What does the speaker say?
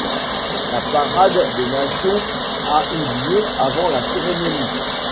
La parade des nations a eu lieu avant la cérémonie.